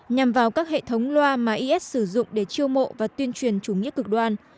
nhằm vào các hệ thống loa mà is sử dụng để chiêu mộ và tuyên truyền chủ nghĩa cực đoan